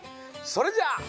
それじゃあ。